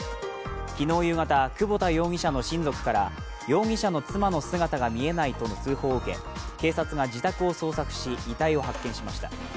昨日夕方、窪田容疑者の親族から容疑者の妻の姿が見えないとの通報を受け警察が自宅を捜索し、遺体を発見しました。